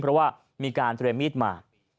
เพราะว่ามีการเตรียมมีดมา